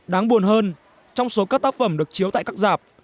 đáng buồn hơn trong số các tác phẩm được chiếu tại các giảp